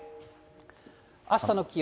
あしたの気温。